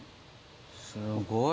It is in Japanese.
すごい。